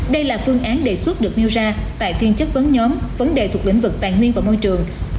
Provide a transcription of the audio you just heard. đây là phương án đề xuất được nêu ra tại phiên chất vấn nhóm vấn đề thuộc lĩnh vực tài nguyên và môi trường